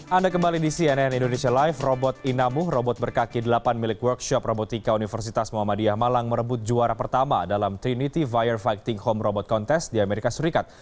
anda kembali di cnn indonesia live robot inamu robot berkaki delapan milik workshop robotika universitas muhammadiyah malang merebut juara pertama dalam trinity fire fighting home robot contest di amerika serikat